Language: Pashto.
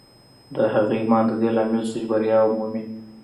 د هغه ایمان د دې لامل شو چې بریا ومومي